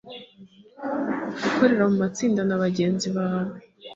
Gukorera mu matsinda na bagenzi bawe